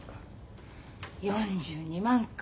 ４２万か。